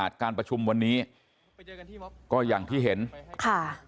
เดี๋ยวไปเจอกันที่ม็อบ